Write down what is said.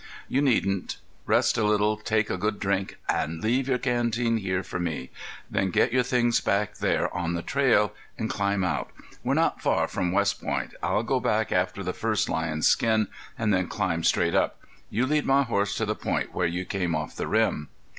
"You needn't. Rest a little, take a good drink an' leave your canteen here for me; then get your things back there on the trail an' climb out. We're not far from West Point. I'll go back after the first lion's skin an' then climb straight up. You lead my horse to the point where you came off the rim."